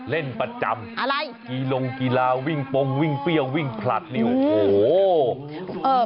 เล่นประจำอะไรกีลงกีฬาวิ่งปงวิ่งเปรี้ยววิ่งผลัดนี่โอ้โห